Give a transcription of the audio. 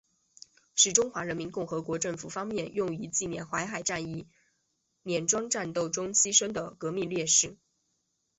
是中华人民共和国政府方面用以纪念淮海战役碾庄战斗中牺牲的革命烈士。